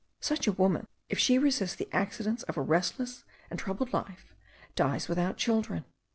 Such a woman, if she resist the accidents of a restless and troubled life, dies without children.